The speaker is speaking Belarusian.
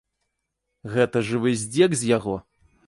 Гэта жывы здзек з яго!